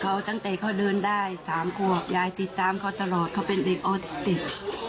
เขาตั้งแต่เขาเดินได้๓ขวบยายติดตามเขาตลอดเขาเป็นเด็กออทิสติก